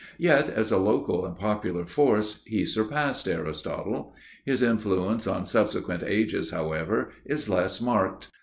Yet as a local and popular force he surpassed Aristotle. His influence on subsequent ages, however, is less marked.